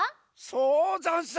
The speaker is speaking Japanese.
そうざんす！